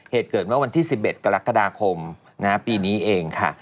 เหตุเกิดเมื่อวันที่๑๑กรกฎาคมปีนี้เองค่ะ